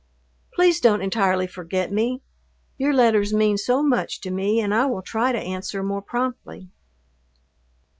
Please don't entirely forget me. Your letters mean so much to me and I will try to answer more promptly.